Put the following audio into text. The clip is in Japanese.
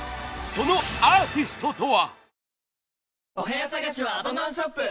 そのアーティストとは？